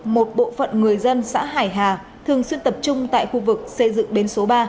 một bộ phận người dân xã hải hà thường xuyên tập trung tại khu vực xây dựng bến số ba